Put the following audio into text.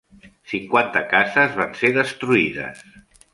Cinquanta cases van ser destruïdes.